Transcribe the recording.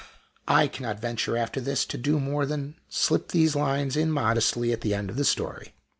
I cannot venture, after this, to do more than slip these lines in modestly at the end of the story.